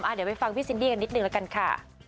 เดี๋ยวไปฟังพี่ซินดี้กันนิดนึงละกันค่ะ